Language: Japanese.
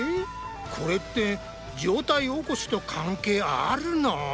これって上体起こしと関係あるの？